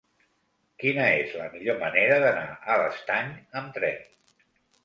Quina és la millor manera d'anar a l'Estany amb tren?